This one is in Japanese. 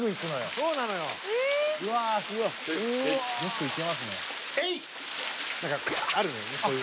そういう」